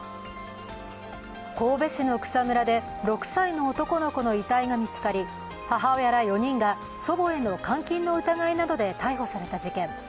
神戸市の草むらで６歳の男の子の遺体が見つかり母親ら４人が祖母への監禁の疑いなどで逮捕された事件。